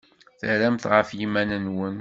Terram ɣef yiman-nwen.